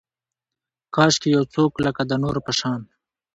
کاشکي یو څوک لکه، د نورو په شان